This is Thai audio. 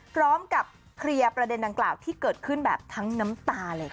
พร้อมกับเคลียร์ประเด็นดังกล่าวที่เกิดขึ้นแบบทั้งน้ำตาเลยค่ะ